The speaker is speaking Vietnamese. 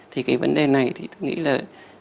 thì cái vấn đề này thì tôi nghĩ là